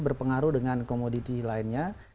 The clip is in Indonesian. berpengaruh dengan komoditi lainnya